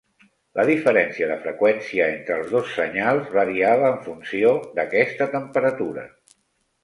La diferència de freqüència entre els dos senyals variava en funció d'aquesta temperatura.